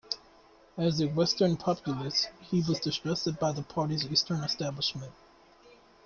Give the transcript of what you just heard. As a western populist, he was distrusted by the party's eastern establishment.